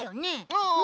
ああ！